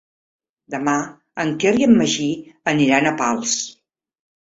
Demà en Quer i en Magí aniran a Pals.